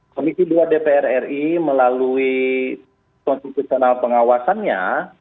komisi dua dpr ri melalui konstitusional pengawasannya